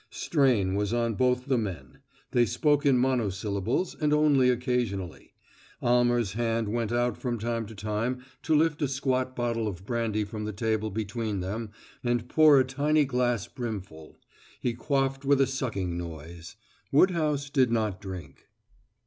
Strain was on both the men. They spoke in monosyllables, and only occasionally. Almer's hand went out from time to time to lift a squat bottle of brandy from the table between them and pour a tiny glass brimful; he quaffed with a sucking noise. Woodhouse did not drink.